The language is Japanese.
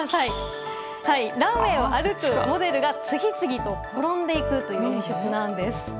ランウェーを歩くモデルが次々と転んでいくという演出なんです。